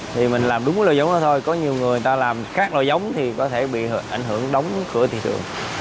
thì mình làm đúng cái lội giống đó thôi có nhiều người ta làm khác lội giống thì có thể bị ảnh hưởng đóng cửa thị trường